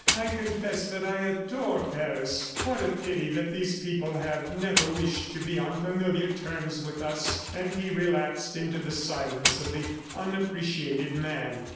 "I confess that I adore Paris. ... What a pity that these people have never wished to be on familiar terms with us!" ... And he relapsed into the silence of the unappreciated man.